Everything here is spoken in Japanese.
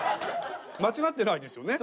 間違ってないですよね。